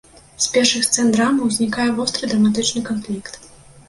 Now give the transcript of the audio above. З першых сцэн драмы ўзнікае востры драматычны канфлікт.